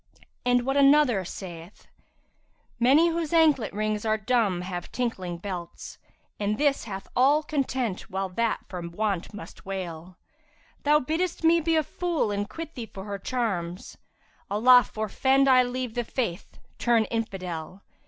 And what another saith, 'Many whose anklet rings are dumb have tinkling belts, * And this hath all content while that for want must wail: Thou bidd'st me be a fool and quit thee for her charms; * Allah forfend I leave The Faith, turn Infidel!